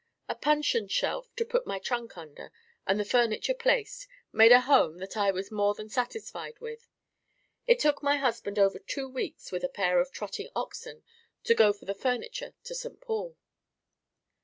A puncheon shelf to put my trunk under, and the furniture placed, made a home that I was more than satisfied with. It took my husband over two weeks with a pair of trotting oxen to go for the furniture to St. Paul.